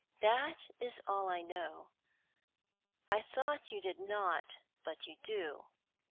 That is all I know. I thought you did not, but you do.